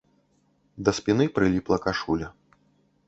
Да спіны прыліпла кашуля.